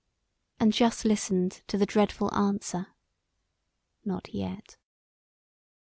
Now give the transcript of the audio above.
and just listened to the dreadful answer, "Not yet."